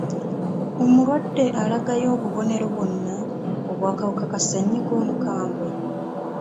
Omulwadde alagayo obubonero bwonna obw'akawuka ka ssenyiga omukambwe?